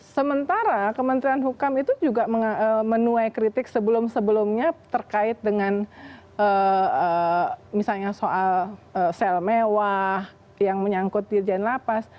sementara kementerian hukum itu juga menuai kritik sebelum sebelumnya terkait dengan misalnya soal sel mewah yang menyangkut dirjen lapas